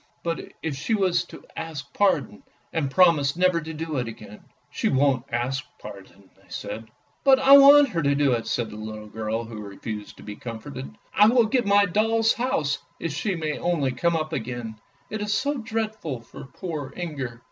" But if she was to ask pardon, and promise never to do it again? "" She won't ask pardon," they said. " But I want her to do it," said the little girl who refused to be comforted. " I will give my doll's house if she may only come up again', it is so dreadful for poor Inger."